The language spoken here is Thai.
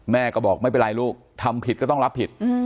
แม่ก็บอกไม่เป็นไรลูกทำผิดก็ต้องรับผิด